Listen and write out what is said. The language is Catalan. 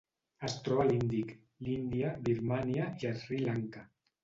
Es troba a l'Índic: l'Índia, Birmània i Sri Lanka.